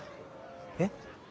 えっ？